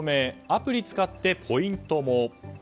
アプリ使ってポイントも。